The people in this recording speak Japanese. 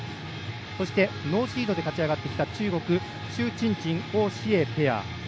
そしてノーシードで勝ち上がってきた中国の朱珍珍、王紫瑩ペア。